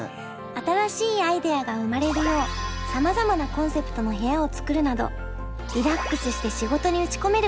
新しいアイデアが生まれるようさまざまなコンセプトの部屋を作るなどリラックスして仕事に打ち込める環境を整えています。